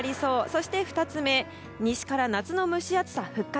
そして２つ目西から夏の蒸し暑さ復活。